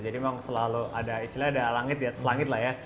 memang selalu ada istilahnya ada langit di atas langit lah ya